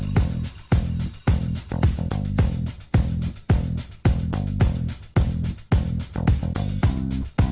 เดี๋ยวไปรออีกตัวนะ